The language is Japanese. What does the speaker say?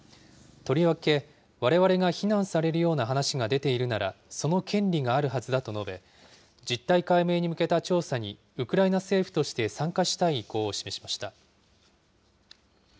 とりわけ、われわれが非難されるような話が出ているなら、その権利があるはずだと述べ、実態解明に向けた調査に、ウクライナ政府として参加したい意向を示しました。